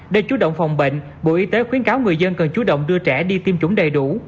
để chú động phòng bệnh bộ y tế khuyến cáo người dân cần chú động đưa trẻ đi tiêm chủng đầy đủ